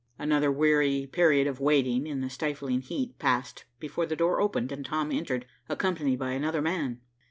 Another weary period of waiting in the stifling heat passed before the door opened and Tom entered, accompanied by another man.